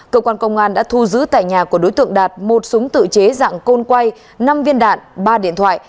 cơ quan công an đã thu giữ tại nhà của đối tượng đạt một súng tự chế dạng côn quay năm viên đạn ba điện thoại